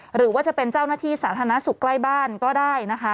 หรือว่าจะเป็นเจ้าหน้าที่สาธารณสุขใกล้บ้านก็ได้นะคะ